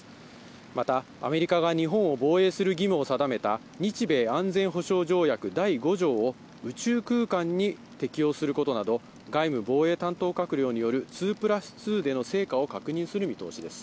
また、アメリカが日本を防衛する義務を定めた日米安全保障条約第５条について宇宙空間へ適用することなど、外務・防衛担当閣僚による２プラス２での成果を確認する見通しです。